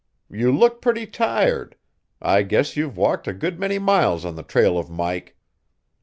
You look pretty tired. I guess you've walked a good many miles on the trail of Mike."